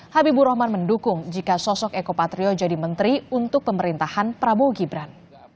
habibur rahman mendukung jika sosok eko patrio jadi menteri untuk pemerintahan prabowo gibran